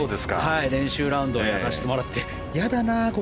練習ラウンドもやらしてもらって。